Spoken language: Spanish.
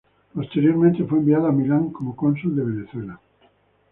Posteriormente fue enviado a Milán como cónsul de Venezuela.